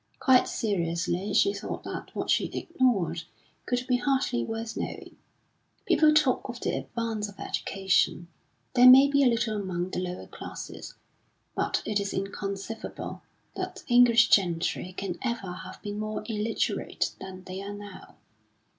Quite seriously she thought that what she ignored could be hardly worth knowing. People talk of the advance of education; there may be a little among the lower classes, but it is inconceivable that the English gentry can ever have been more illiterate than they are now.